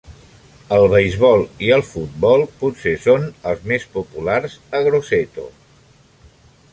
El beisbol i el futbol potser són els més populars a Grosseto.